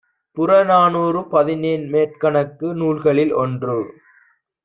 புறநானூறு பதினெண்மேற்கணக்கு நூல்களில் ஒன்று.